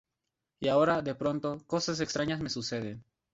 Y ahora, de pronto, cosas extrañas me suceden